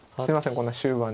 こんな終盤に。